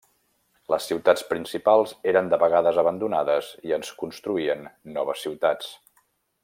Les ciutats principals eren de vegades abandonades i es construïen noves ciutats.